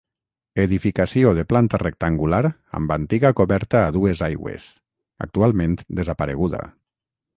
Edificació de planta rectangular amb antiga coberta a dues aigües, actualment desapareguda.